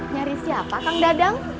nyari siapa kang dadang